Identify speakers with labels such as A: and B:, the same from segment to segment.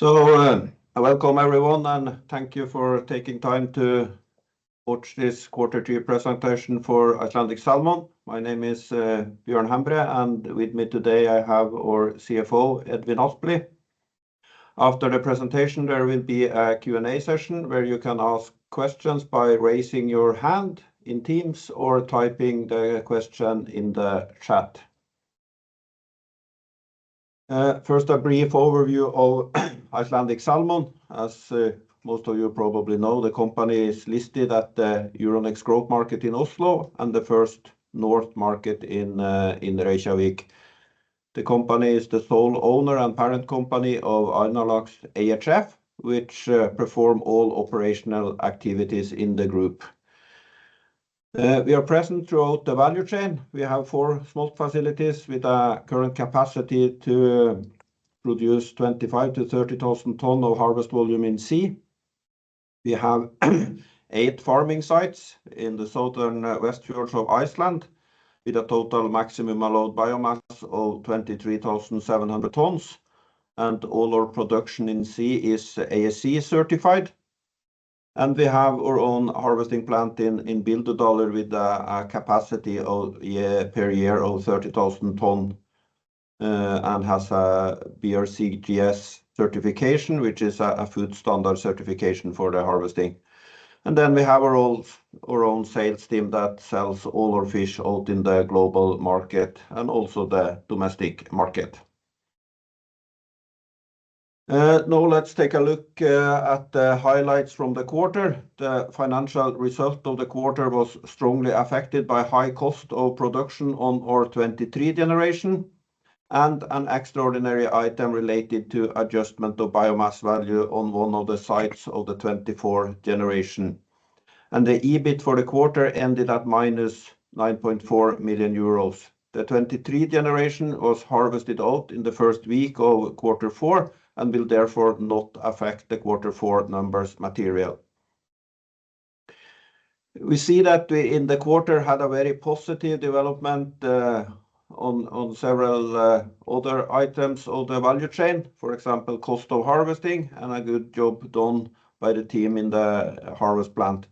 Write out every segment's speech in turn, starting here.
A: Welcome everyone, and thank you for taking time to watch this Quarter Two Presentation for Icelandic Salmon. My name is Bjørn Hembre, and with me today I have our CFO, Edvin Aspli. After the presentation, there will be a Q&A session where you can ask questions by raising your hand in Teams or typing the question in the chat. First, a brief overview of Icelandic Salmon. As most of you probably know, the company is listed at the Euronext Growth Market in Oslo and the First North market in Reykjavík. The company is the sole owner and parent company of Einolax AHF, which performs all operational activities in the group. We are present throughout the value chain. We have four smolt facilities with a current capacity to produce 25,000-30,000 tonnes of harvest volume in sea. We have eight farming sites in the Southern West Fjords of Iceland with a total maximum allowed biomass of 23,700 tonnes, and all our production in sea is ASC certified. We have our own harvesting plant in Bíldudalur with a capacity per year of 30,000 tonnes and has a BRCGS certification, which is a food standard certification for the harvesting. We have our own sales team that sells all our fish out in the global market and also the domestic market. Now let's take a look at the highlights from the quarter. The financial result of the quarter was strongly affected by high cost of production on our 23rd generation and an extraordinary item related to adjustment of biomass value on one of the sites of the 24th generation. The EBIT for the quarter ended at -9.4 million euros. The 23rd generation was harvested out in the first week of quarter four and will therefore not affect the quarter four numbers materially. We see that in the quarter had a very positive development on several other items of the value chain, for example, cost of harvesting and a good job done by the team in the harvest plant.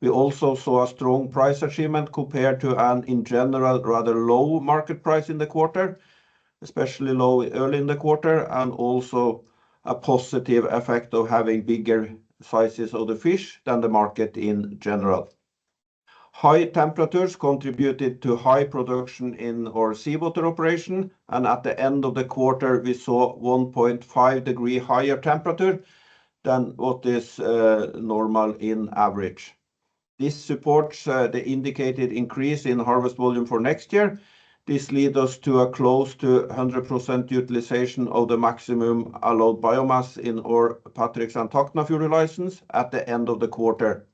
A: We also saw a strong price achievement compared to an in general rather low market price in the quarter, especially low early in the quarter, and also a positive effect of having bigger sizes of the fish than the market in general. High temperatures contributed to high production in our seawater operation, and at the end of the quarter, we saw 1.5 degrees higher temperature than what is normal in average. This supports the indicated increase in harvest volume for next year. This leads us to a close to 100% utilization of the maximum allowed biomass in our Patrekssandhólar and Fureyri license at the end of the quarter.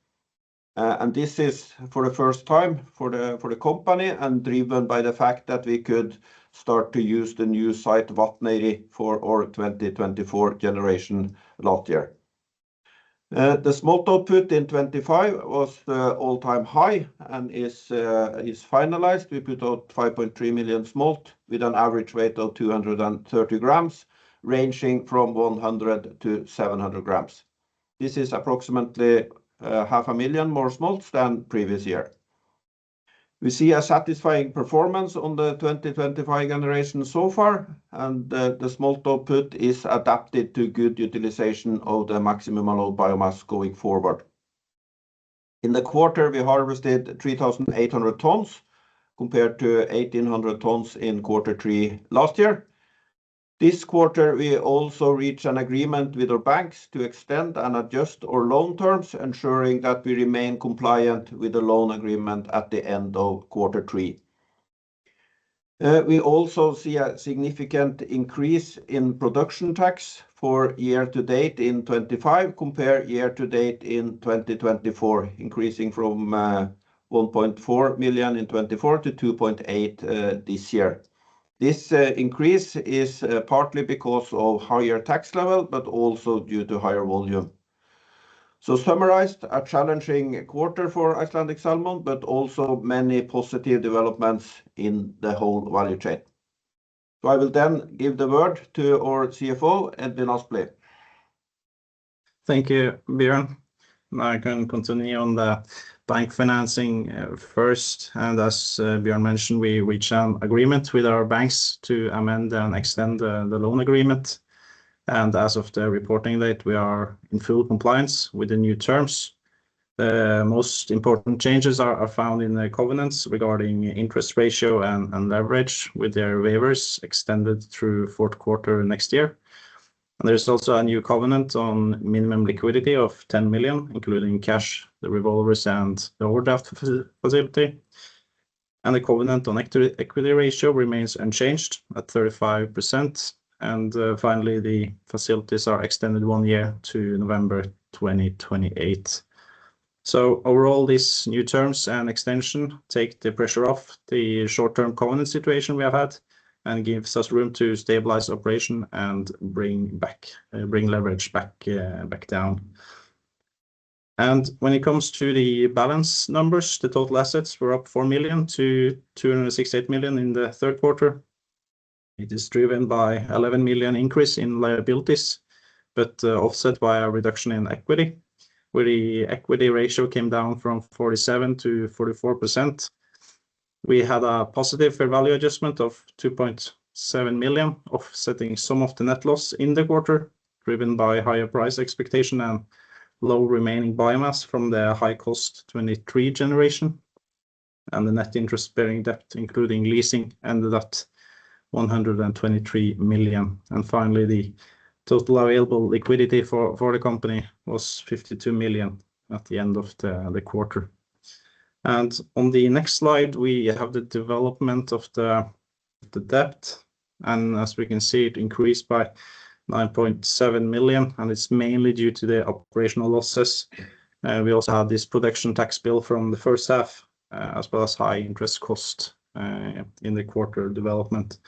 A: This is for the first time for the company and driven by the fact that we could start to use the new site Vatnayri for our 2024 generation last year. The smolt output in 2025 was the all-time high and is finalized. We put out 5.3 million smolt with an average weight of 230 grams, ranging from 100 grams-700 grams. This is approximately 500,000 more smolt than previous year. We see a satisfying performance on the 2025 generation so far, and the smolt output is adapted to good utilization of the maximum allowed biomass going forward. In the quarter, we harvested 3,800 tonnes compared to 1,800 tonnes in quarter three last year. This quarter, we also reached an agreement with our banks to extend and adjust our loan terms, ensuring that we remain compliant with the loan agreement at the end of quarter three. We also see a significant increase in production tax for year to date in 2025 compared to year to date in 2024, increasing from 1.4 million in 2024 to 2.8 million this year. This increase is partly because of higher tax level, but also due to higher volume. Summarized, a challenging quarter for Icelandic Salmon, but also many positive developments in the whole value chain. I will then give the word to our CFO, Edvin Aspli.
B: Thank you, Bjørn. I can continue on the bank financing first. As Bjørn mentioned, we reached an agreement with our banks to amend and extend the loan agreement. As of the reporting date, we are in full compliance with the new terms. The most important changes are found in the covenants regarding interest ratio and leverage with their waivers extended through fourth quarter next year. There is also a new covenant on minimum liquidity of 10 million, including cash, the revolvers, and the overdraft facility. The covenant on equity ratio remains unchanged at 35%. Finally, the facilities are extended one year to November 2028. Overall, these new terms and extension take the pressure off the short-term covenant situation we have had and gives us room to stabilize operation and bring leverage back down. When it comes to the balance numbers, the total assets were up 4 million to 268 million in the third quarter. It is driven by an 11 million increase in liabilities, but offset by a reduction in equity, where the equity ratio came down from 47%-44%. We had a positive fair value adjustment of 2.7 million, offsetting some of the net loss in the quarter, driven by higher price expectation and low remaining biomass from the high-cost 2023 generation. The net interest-bearing debt, including leasing, ended at 123 million. Finally, the total available liquidity for the company was 52 million at the end of the quarter. On the next slide, we have the development of the debt. As we can see, it increased by 9.7 million, and it is mainly due to the operational losses. We also had this production tax bill from the first half, as well as high interest cost in the quarter development.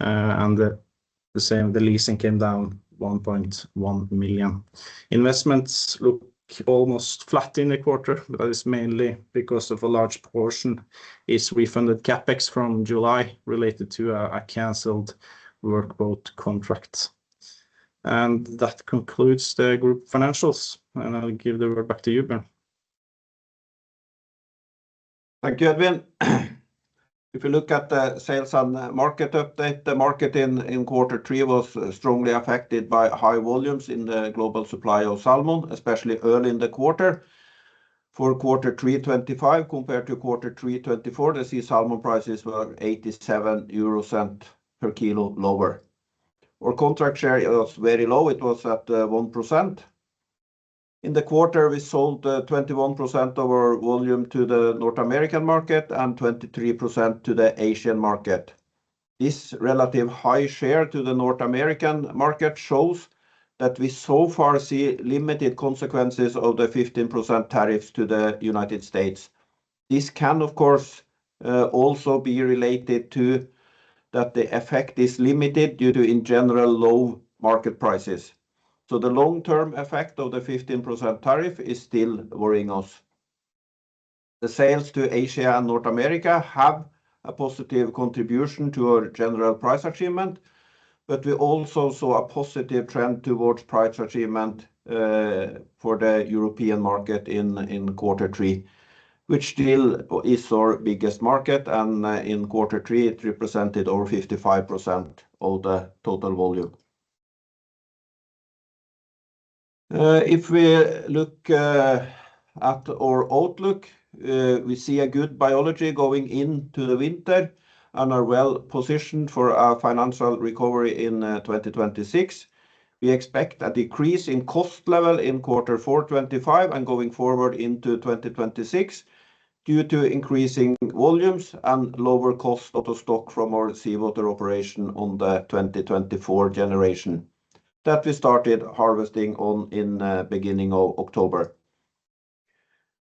B: The same, the leasing came down 1.1 million. Investments look almost flat in the quarter, but that is mainly because of a large portion of refunded CapEx from July related to a canceled workboat contract. That concludes the group financials, and I'll give the word back to you, Bjørn.
A: Thank you, Edvin. If you look at the sales and market update, the market in quarter three was strongly affected by high volumes in the global supply of salmon, especially early in the quarter. For quarter three 2025, compared to quarter three 2024, the sea salmon prices were 0.87 per kilo lower. Our contract share was very low, it was at 1%. In the quarter, we sold 21% of our volume to the North American market and 23% to the Asian market. This relative high share to the North American market shows that we so far see limited consequences of the 15% tariffs to the United States. This can, of course, also be related to that the effect is limited due to, in general, low market prices. The long-term effect of the 15% tariff is still worrying us. The sales to Asia and North America have a positive contribution to our general price achievement, but we also saw a positive trend towards price achievement for the European market in quarter three, which still is our biggest market. In quarter three, it represented over 55% of the total volume. If we look at our outlook, we see a good biology going into the winter and are well positioned for our financial recovery in 2026. We expect a decrease in cost level in quarter four 2025 and going forward into 2026 due to increasing volumes and lower cost of the stock from our seawater operation on the 2024 generation that we started harvesting on in the beginning of October.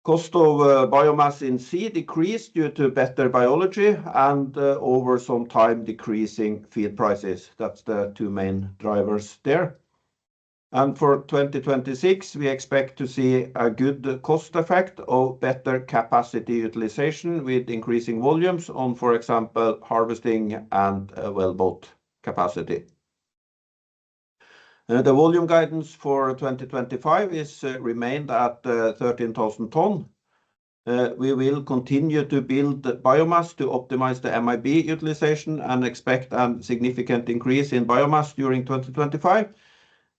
A: Cost of biomass in sea decreased due to better biology and, over some time, decreasing feed prices. That is the two main drivers there. For 2026, we expect to see a good cost effect of better capacity utilization with increasing volumes on, for example, harvesting and wellboat capacity. The volume guidance for 2025 has remained at 13,000 tonnes. We will continue to build biomass to optimize the MIB utilization and expect a significant increase in biomass during 2025.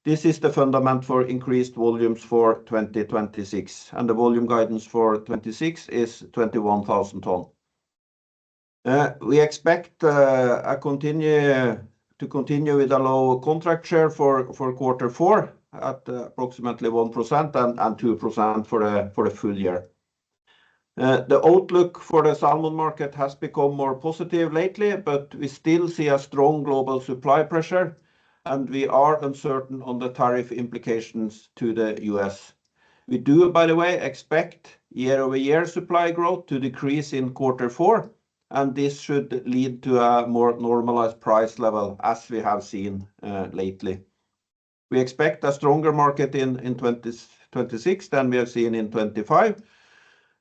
A: This is the fundament for increased volumes for 2026, and the volume guidance for 2026 is 21,000 tonnes. We expect to continue with a low contract share for quarter four at approximately 1% and 2% for the full year. The outlook for the salmon market has become more positive lately, but we still see a strong global supply pressure, and we are uncertain on the tariff implications to the U.S. We do, by the way, expect year-over-year supply growth to decrease in quarter four, and this should lead to a more normalized price level, as we have seen lately. We expect a stronger market in 2026 than we have seen in 2025,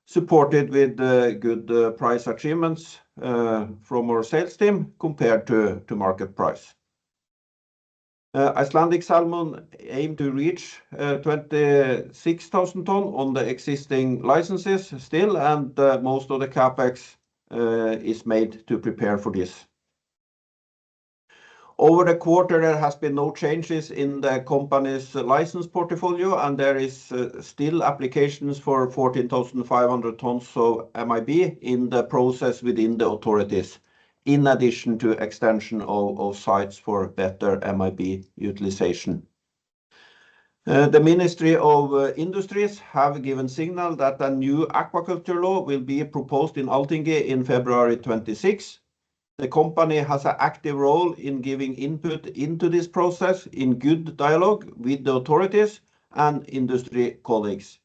A: supported with good price achievements from our sales team compared to market price. Icelandic Salmon aim to reach 26,000 tonnes on the existing licenses still, and most of the CapEx is made to prepare for this. Over the quarter, there have been no changes in the company's license portfolio, and there are still applications for 14,500 tonnes of MIB in the process within the authorities, in addition to extension of sites for better MIB utilization. The Ministry of Industries has given a signal that a new aquaculture law will be proposed in Althingi in February 2026. The company has an active role in giving input into this process in good dialogue with the authorities and industry colleagues.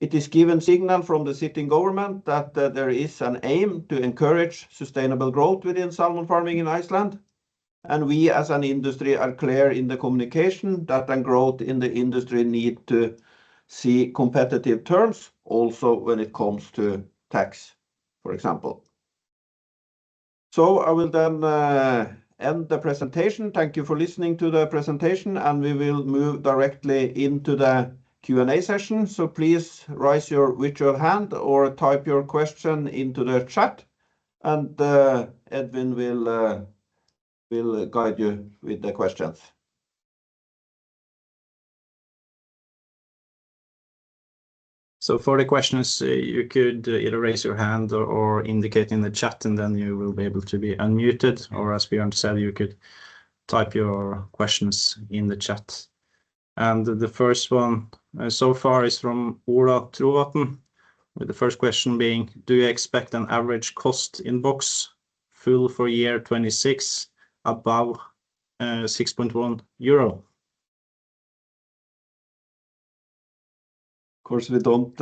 A: It has given a signal from the sitting government that there is an aim to encourage sustainable growth within salmon farming in Iceland. We, as an industry, are clear in the communication that growth in the industry needs to see competitive terms, also when it comes to tax, for example. I will then end the presentation. Thank you for listening to the presentation, and we will move directly into the Q&A session. Please raise your virtual hand or type your question into the chat, and Edvin will guide you with the questions.
B: For the questions, you could either raise your hand or indicate in the chat, and then you will be able to be unmuted. Or as Bjørn said, you could type your questions in the chat. The first one so far is from Ola Trovatn, with the first question being, do you expect an average cost in box full for year 2026 above EUR 6.1?
A: Of course, we don't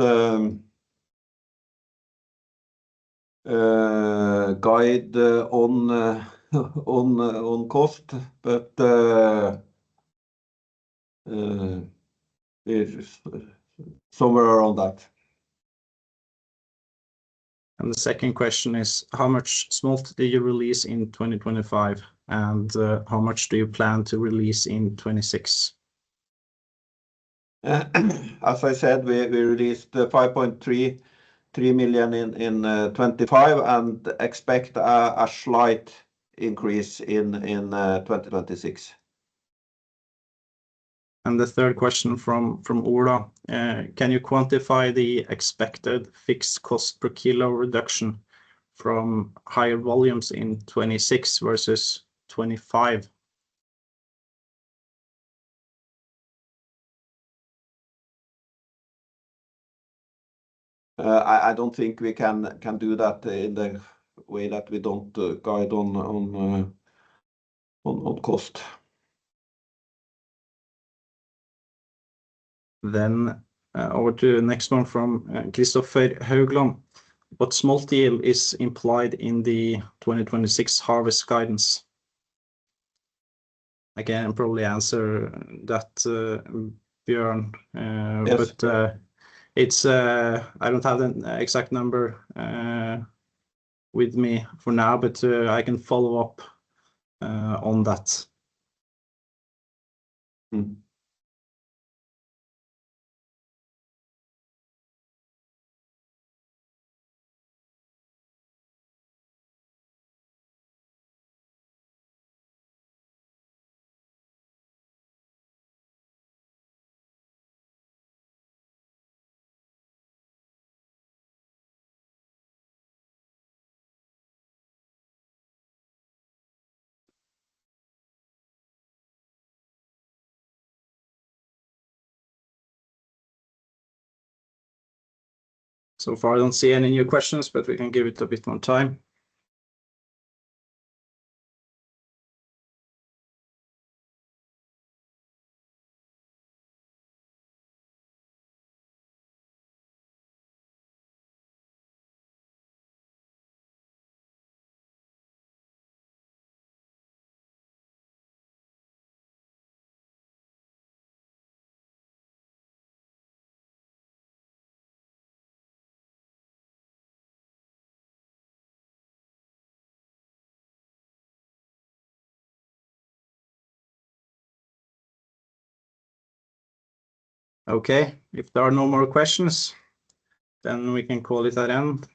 A: guide on cost, but somewhere around that.
B: The second question is, how much smolt do you release in 2025, and how much do you plan to release in 2026?
A: As I said, we released 5.3 million in 2025 and expect a slight increase in 2026.
B: The third question from Ola, can you quantify the expected fixed cost per kilo reduction from higher volumes in 2026 versus 2025?
A: I don't think we can do that in the way that we don't guide on cost.
B: Over to the next one from Kristoffer Höglund. What smolt yield is implied in the 2026 harvest guidance? I can probably answer that, Bjørn, but I do not have the exact number with me for now, but I can follow up on that. So far, I do not see any new questions, but we can give it a bit more time. Okay, if there are no more questions, then we can call it a done and.